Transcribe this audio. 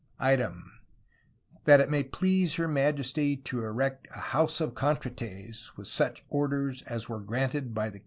Item y* yt may please her Ma*^® to erect an howsse of contratays w* sooche orders as were graunted by the K.